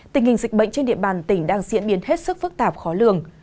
tình hình dịch bệnh trên địa bàn tỉnh đang diễn biến hết sức phức tạp khó lường